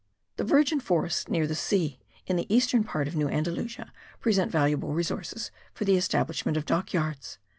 The virgin forests near the sea, in the eastern part of New Andalusia, present valuable resources for the establishment of dockyards.